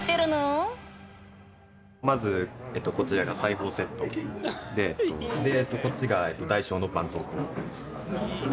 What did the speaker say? まずこちらが裁縫セットでで、こっちが大小のばんそうこう。